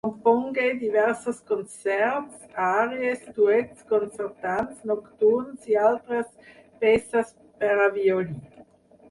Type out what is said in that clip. Compongué diversos concerts, àries, duets, concertants, nocturns i altres peces per a violí.